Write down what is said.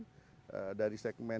baik dari semua segmen